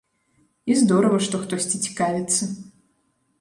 І здорава, што хтосьці цікавіцца.